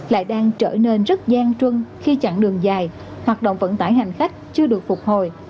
lại đang trở nên rất gian trưng khi chặng đường dài hoạt động vận tải hành khách chưa được phục hồi